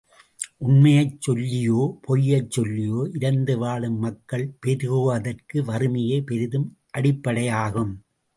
உண்மையைச் சொல்லியோ, பொய்யைச் சொல்லியோ இரந்து வாழும் மக்கள் பெருகுவதற்கு வறுமையே பெரிதும் அடிப்படையாகும்.